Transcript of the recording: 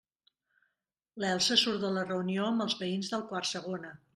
L'Elsa surt de la reunió amb els veïns del quart segona.